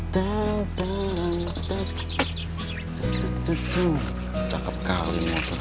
tuh cakep kali motor